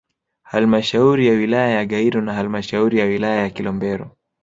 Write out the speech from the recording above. Halmashauri ya wilaya ya Gairo na halmashauri ya wilaya ya Kilombero